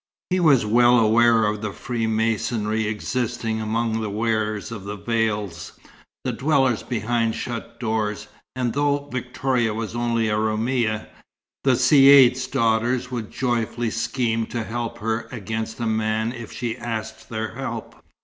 He was well aware of the freemasonry existing among the wearers of veils, the dwellers behind shut doors; and though Victoria was only a Roumia, the Caïd's daughters would joyfully scheme to help her against a man, if she asked their help.